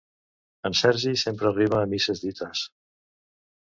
En Sergi sempre arriba a misses dites.